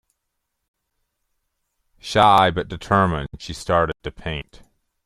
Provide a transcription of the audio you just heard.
Shy but determined, she started to paint.